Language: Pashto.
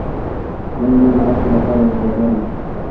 قانون باید د هر چا لپاره یو برابر وي.